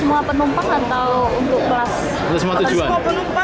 untuk semua penumpang atau untuk plus